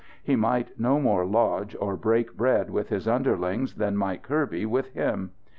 He might no more lodge or break bread with his underlings than might Kirby with him.